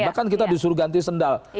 bahkan kita disuruh ganti sendal